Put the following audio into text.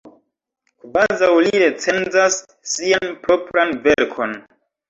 Kvazaŭ li recenzas sian propran verkon!